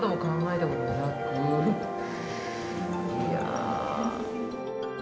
いや。